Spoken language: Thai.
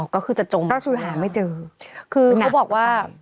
อ๋อก็คือจะจมหรือเปล่าก็คือหาไม่เจอหนักหรือเปล่าคือเขาบอกว่า